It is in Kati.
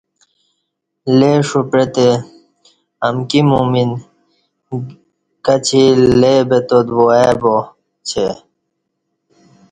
لےݜو پعتہ امکی مؤمن کچی لئے بتات وا ای باچہ